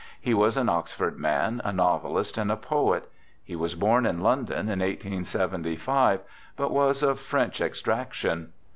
He was an Oxford man, a novelist and a poet. He was born in London in 1875, but was of French extraction.